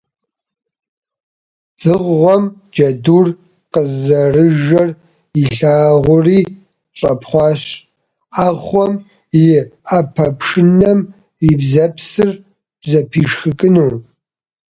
Дзыгъуэм джэдур къызэрыжэр илъагъури, щӀэпхъуащ, Ӏэхъуэм и Ӏэпэпшынэм и бзэпсыр зэпишхыкӀыну.